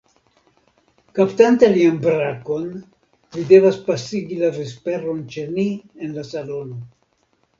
Kaptante lian brakon, vi devas pasigi la vesperon ĉe ni en la salono.